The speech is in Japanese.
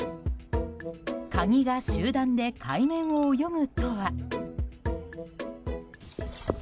カニが集団で海面を泳ぐとは。